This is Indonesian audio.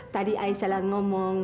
tadi i salah ngomong